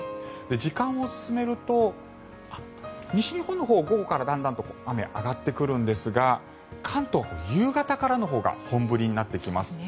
時間を進めると西日本のほう午後からだんだんと雨、上がってくるんですが関東は夕方からのほうが本降りになってきます。